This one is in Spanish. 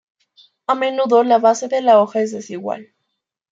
A menudo la base de la hoja es desigual.